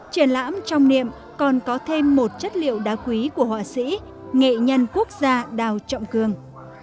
triển lãm trong niệm còn có thêm một chất liệu đá quý của họa sĩ nghệ nhân quốc gia đào trọng cường